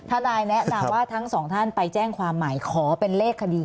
ทนายแนะนำว่าทั้งสองท่านไปแจ้งความใหม่ขอเป็นเลขคดี